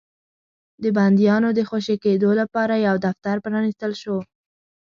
د بنديانو د خوشي کېدلو لپاره يو دفتر پرانيستل شو.